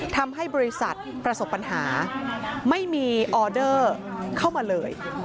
ทำให้บริษัทประสบปัญหาไม่มีออเดอร์เข้ามาเลย